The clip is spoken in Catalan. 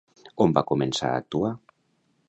On va començar a actuar?